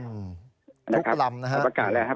พุกลำนะครับ